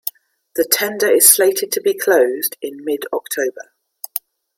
The tender is slated to be closed in mid-October.